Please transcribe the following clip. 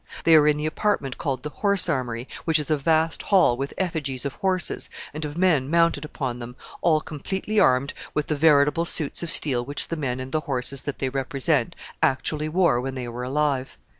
They are in the apartment called the Horse Armory, which is a vast hall with effigies of horses, and of men mounted upon them, all completely armed with the veritable suits of steel which the men and the horses that they represent actually wore when they were alive.